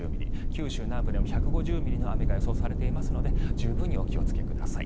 九州南部でも１５０ミリの雨が予想されていますので十分にお気をつけください。